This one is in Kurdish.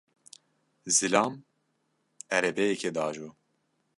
Zilam erebeyekê diajo.